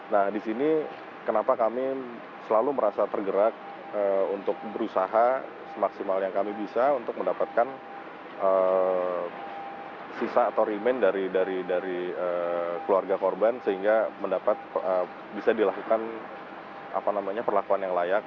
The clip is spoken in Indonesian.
nah di sini kenapa kami selalu merasa tergerak untuk berusaha semaksimal yang kami bisa untuk mendapatkan sisa atau remain dari keluarga korban sehingga bisa dilakukan perlakuan yang layak